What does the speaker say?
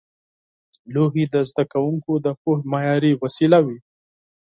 لوحې د زده کوونکو د پوهې معیاري وسیله وې.